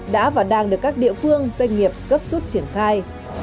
đã và đang được các địa phương doanh nghiệp gấp rút triển khai